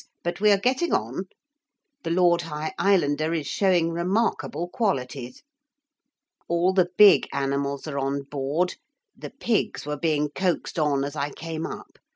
But we are getting on. The Lord High Islander is showing remarkable qualities. All the big animals are on board; the pigs were being coaxed on as I came up.